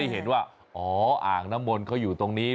เห็นว่าอ๋ออ่างน้ำมนต์เขาอยู่ตรงนี้